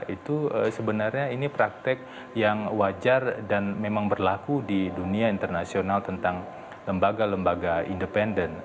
itu sebenarnya ini praktek yang wajar dan memang berlaku di dunia internasional tentang lembaga lembaga independen